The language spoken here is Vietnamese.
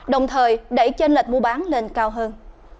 đồng thời đẩy chênh lệch mua bán lên cao hơn